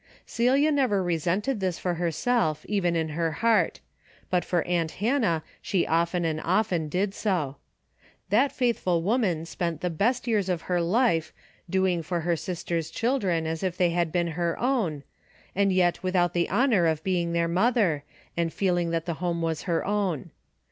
Celia never resented this for herself, even in her heart ; but for aunt Hannah she often and often did so. That faithful woman spent the best years of her life, doing for her sister's children as if they had been her own, and yet without the honor of being their mother, and feeling that the home was her own.